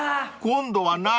［今度は何？］